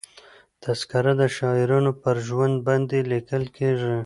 تذکره د شاعرانو پر ژوند باندي لیکل کېږي.